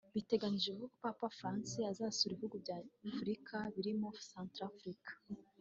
Biteganyijwe ko Papa Francis azasura ibihugu bya Afurika birimo Centrafrika